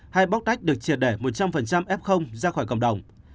hai bóc tách được triệt để một trăm linh f ra khỏi cộng đồng